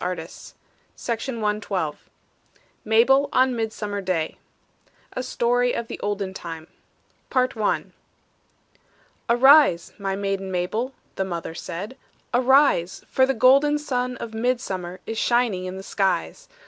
UNKNOWN MABEL ON MIDSUMMER DAY A STORY OF THE OLDEN TIME PART I "Arise, my maiden, Mabel," The mother said; "arise, For the golden sun of midsummer Is shining in the skies.